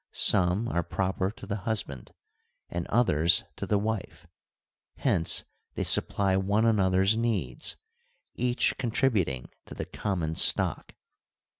Some are pro per to the husband and others to the wife ; hence they supply one another's needs, each contributing to the common stock.